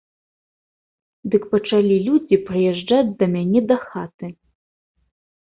Дык пачалі людзі прыязджаць да мяне дахаты.